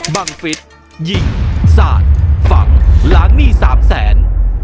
บังฟิศยิงสาดฝังล้างหนี้๓แสน